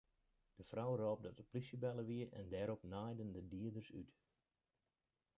De frou rôp dat de plysje belle wie en dêrop naaiden de dieders út.